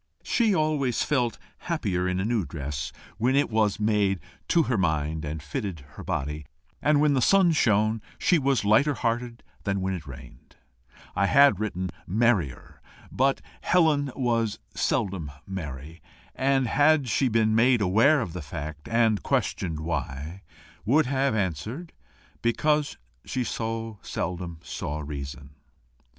She always felt happier in a new dress, when it was made to her mind and fitted her body; and when the sun shone she was lighter hearted than when it rained: I had written MERRIER, but Helen was seldom merry, and had she been made aware of the fact, and questioned why, would have answered Because she so seldom saw reason.